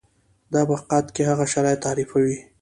دا په حقیقت کې هغه شرایط تعریفوي.